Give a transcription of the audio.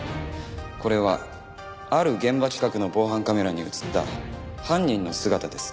これはある現場近くの防犯カメラに映った犯人の姿です。